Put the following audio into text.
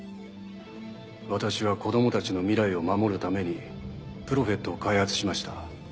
私は子供たちの未来を守るためにプロフェットを開発しました。